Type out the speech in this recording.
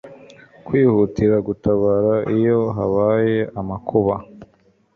kwihutira gutabara iyo habaye amakuba